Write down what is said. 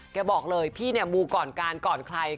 บอกเลยพี่เนี่ยมูก่อนการก่อนใคร